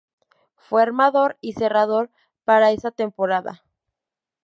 Fue armador y cerrador para esa temporada.